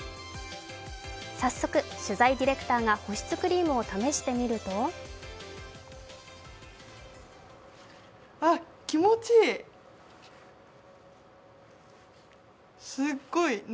早速、取材ディレクターが保湿クリームを試してみると気持ちいい。